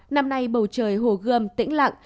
năm nay bầu trời hồ gươm tĩnh lặng